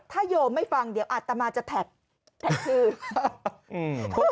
ถ้าโยมไม่ฟังเดี๋ยวอัตมาจะแท็กแท็กชื่อ